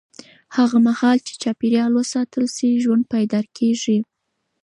هغه مهال چې چاپېریال وساتل شي، ژوند پایدار کېږي.